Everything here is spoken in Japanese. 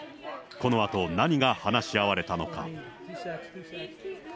このあと何が話し合われたのか。